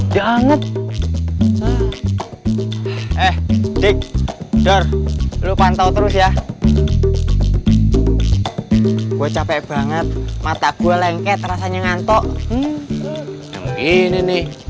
dianget eh dik dar lo pantau terus ya gue capek banget mata gue lengket rasanya ngantuk ini nih